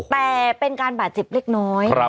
แต่เป็นการบาดเจ็บเล็กน้อย